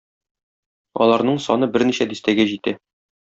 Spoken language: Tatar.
Аларның саны берничә дистәгә җитә.